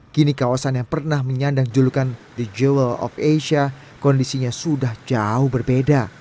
kini kawasan yang pernah menyandang julukan the jewel of asia kondisinya sudah jauh berbeda